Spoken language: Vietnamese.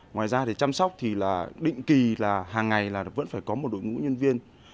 ngoài ra thì chăm sóc thì là định kỳ là hàng ngày là vẫn phải có một đội ngũ nhân viên